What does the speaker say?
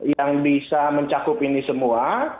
yang bisa mencakup ini semua